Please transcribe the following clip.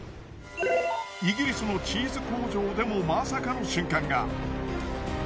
イギリスのチーズ工場でもまさかの瞬間が。